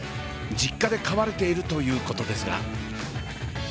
実家で飼われているということですが。